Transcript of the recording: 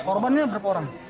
korbannya berapa orang